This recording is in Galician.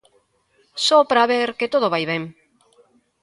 ...só pra ver que todo vai ben.